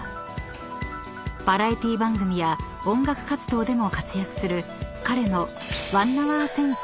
［バラエティー番組や音楽活動でも活躍する彼の］